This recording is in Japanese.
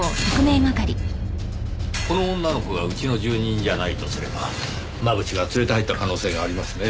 この女の子が家の住人じゃないとすれば真渕が連れて入った可能性がありますねぇ。